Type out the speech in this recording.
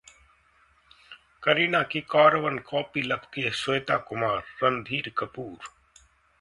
करीना की carbon copy लगती हैं श्वेता कुमारः रणधीर कपूर